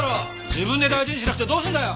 自分で大事にしなくてどうするんだよ！